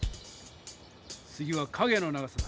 次は影の長さだ。